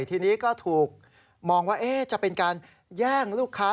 ทีนี้ก็ถูกมองว่าจะเป็นการแย่งลูกค้า